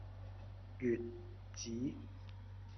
穴子